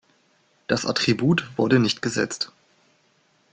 Das Attribut wurde nicht gesetzt.